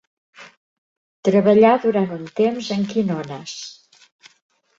Treballà durant un temps en quinones.